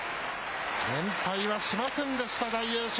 連敗はしませんでした、大栄翔。